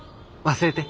忘れて。